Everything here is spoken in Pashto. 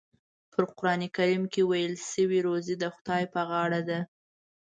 په قرآن کریم کې ویل شوي روزي د خدای په غاړه ده.